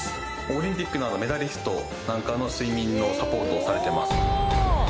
オリンピックのメダリストなんかの睡眠のサポートをされてます